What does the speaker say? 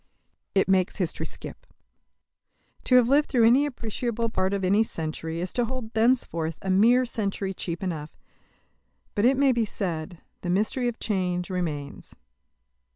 It makes history skip. To have lived through any appreciable part of any century is to hold thenceforth a mere century cheap enough. But, it may be said, the mystery of change remains.